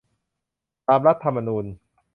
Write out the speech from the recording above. ตามรัฐธรรมนูญ